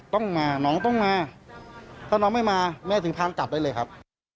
ต้องมาน้องต้องมาถ้าน้องไม่มาแม่ถึงพามจับได้เลยครับ